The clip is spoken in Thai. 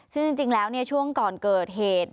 ซึ่งจริงแล้วช่วงก่อนเกิดเหตุ